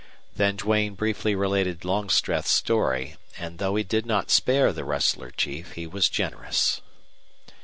Then Duane briefly related Longstreth's story, and, though he did not spare the rustler chief, he was generous.